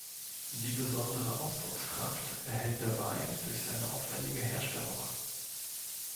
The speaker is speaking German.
Die besondere Ausdruckskraft erhält der Wein durch seine aufwändige Herstellung.